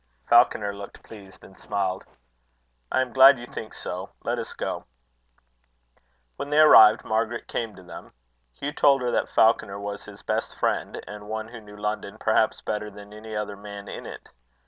Falconer looked pleased, and smiled. "I am glad you think so. Let us go." When they arrived, Margaret came to them. Hugh told her that Falconer was his best friend, and one who knew London perhaps better than any other man in it.